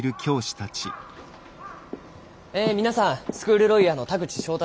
え皆さんスクールロイヤーの田口章太郎と申します。